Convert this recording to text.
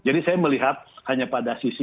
jadi saya melihat hanya pada sisi